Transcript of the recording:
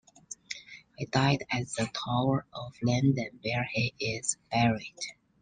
He died at the Tower of London, where he is buried.